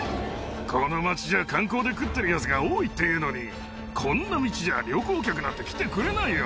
この町じゃ、観光で食ってるやつが多いっていうのに、こんな道じゃ旅行客なんて来てくれないよ。